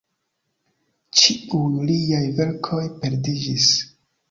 Ĉiuj liaj verkoj perdiĝis.